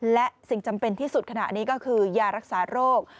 และสิ่งจำเป็นที่สุดขณะนี้ก็คือยารักษาโรค